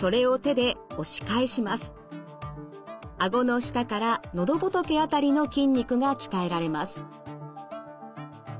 顎の下から喉仏辺りの筋肉が鍛えられます。